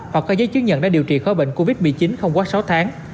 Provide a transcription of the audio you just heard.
hoặc có giấy chứng nhận đã điều trị khó bệnh covid một mươi chín không quá sáu tháng